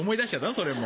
それも。